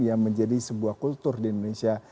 yang menjadi sebuah kultur di indonesia